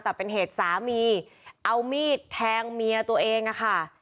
แต่เป็นเหตุสามีเอามีดแทงเมียตัวเองอะค่ะ